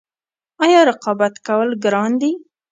آیا رقابت کول ګران دي؟